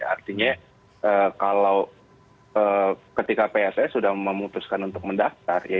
artinya ketika pse sudah memutuskan untuk mendaftar